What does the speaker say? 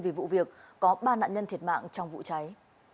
vì vụ việc có ba nạn nhân thiệt mạng trong vụ cháy